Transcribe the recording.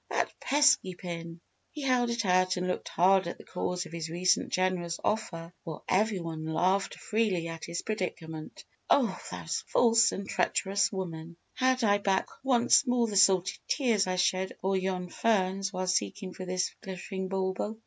That pesky pin!" He held it out and looked hard at the cause of his recent generous offer while every one laughed freely at his predicament. "Oh, thou false and treacherous woman! Had I back once more the salty tears I shed o'er yon ferns while seeking for this glittering bauble!